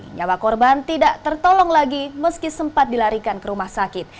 nyawa korban tidak tertolong lagi meski sempat dilarikan ke rumah sakit